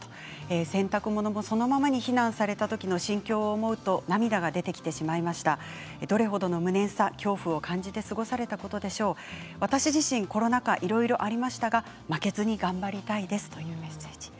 洗濯物もそのままに避難されたときの心境を思うと涙が出てきてしまいました、どれほどの無念さ恐怖を感じて過ごされたことでしょう、私自身コロナでいろいろありましたけれども負けずに頑張りたいですというメッセージ。